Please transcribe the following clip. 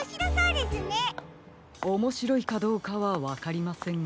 おもしろいかどうかはわかりませんが。